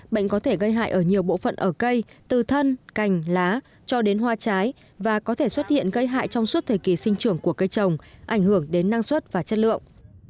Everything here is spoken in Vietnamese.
bệnh có thể gây hại ở nhiều bộ phận ở cây từ thân cành lá cho đến hoa trái và có thể xuất hiện gây hại trong suốt thời kỳ sinh trưởng của cây trồng ảnh hưởng đến năng suất và chất lượng